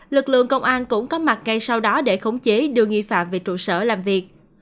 lực lượng công an cũng có mặt ngay sau đó để khống chế đưa nghi phạm về trụ sở làm việc